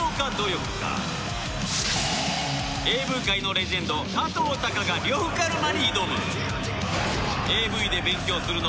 ＡＶ 界のレジェンド加藤鷹が呂布カルマに挑む！